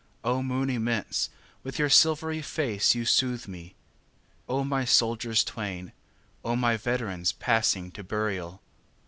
O moon immense, with your silvery face you soothe me! O my soldiers twain! O my veterans, passing to burial!